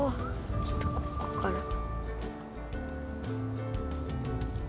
ちょっとここから。